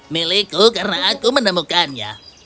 milikku karena aku menemukannya